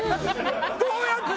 どうやってんだ？